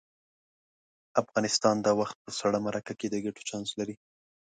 افغانستان دا وخت په سړه مرکه کې د ګټو چانس لري.